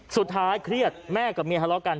เครียดแม่กับเมียทะเลาะกัน